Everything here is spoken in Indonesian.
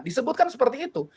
disebutkan seperti itu